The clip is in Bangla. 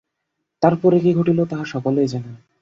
তার পরে কী ঘটিল তাহা সকলেই জানেন।